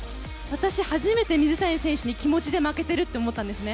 私、初めて水谷選手に気持ちで負けてるって思ったんですね。